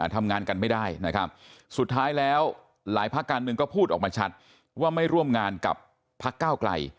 ทำงานกันไม่ได้นะครับสุดท้ายแล้วหลายภาคการเมืองก็พูดออกมาชัดว่าไม่ร่วมงานกับพักก้าวไกล